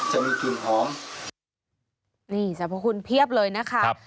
จะมีกลิ่นหอมนี่สรรพคุณเพียบเลยนะคะครับ